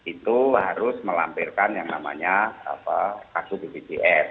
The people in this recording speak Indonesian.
itu harus melampirkan yang namanya kartu bpjs